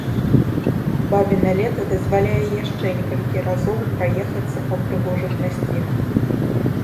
Бабіна лета дазваляе яшчэ некалькі разоў праехацца па прыгожых мясцінах.